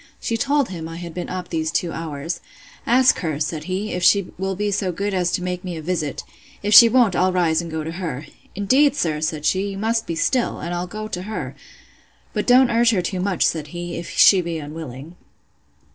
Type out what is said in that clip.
She told him I had been up these two hours. Ask her, said he, if she will be so good as to make me a visit: If she won't, I'll rise, and go to her. Indeed, sir, said she, you must be still; and I'll go to her. But don't urge her too much, said he, if she be unwilling.